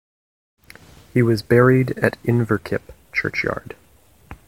He was buried at Inverkip churchyard.